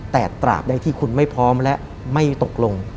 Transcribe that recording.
แต่ตราบใดที่คุณไม่พร้อมและไม่ตกลง